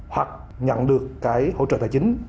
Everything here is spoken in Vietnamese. hoặc nhận được hỗ trợ tài chính